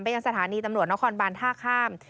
ยังสถานีตำรวจนครบานท่าข้าม